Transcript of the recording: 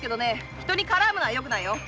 人に絡むのはよくないよ。